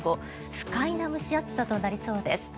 不快な蒸し暑さとなりそうです。